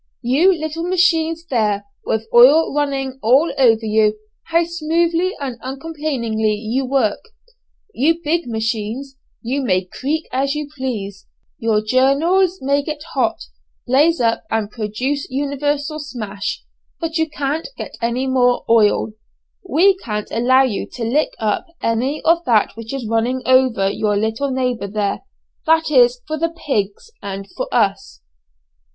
You little machines there, with oil running all over you, how smoothly and uncomplainingly you work! You big machines, you may creak as you please, your journals may get hot, blaze up and produce universal smash: but you can't get any more oil; we can't allow you to lick up any of that which is running over your little neighbour there that is for the pigs, and for us."